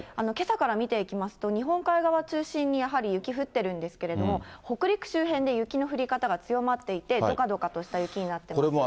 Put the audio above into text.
けさから見ていきますと、日本海側中心にやはり雪降ってるんですけども、北陸周辺で雪の降り方が強まっていて、どかどかとした雪になっています。